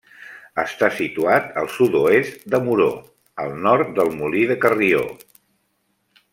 Està situat al sud-oest de Moror, al nord del Molí de Carrió.